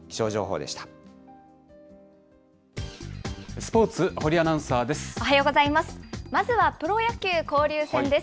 スポーツ、堀アナウンサーです。